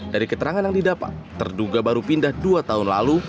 dari keterangan yang didapat terduga baru pindah dua tahun lalu